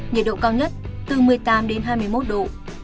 nhiệt độ cao nhất từ một mươi tám đến hai mươi một độ